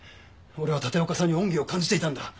俺は立岡さんに恩義を感じていたんだ。